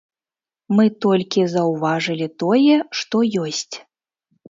Мы толькі заўважылі тое, што ёсць.